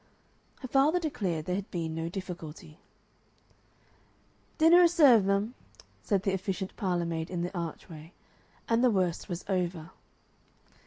Her father declared there had been no difficulty. "Dinner is served, m'm," said the efficient parlor maid in the archway, and the worst was over.